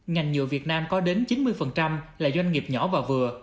ngành nhựa việt nam có đến chín mươi là doanh nghiệp nhỏ và vừa